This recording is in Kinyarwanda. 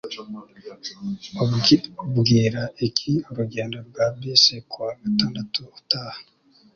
Ubwira iki urugendo rwa bisi kuwa gatandatu utaha?